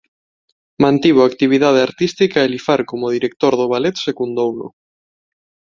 Mantivo a actividade artística e Lifar como director do ballet secundouno.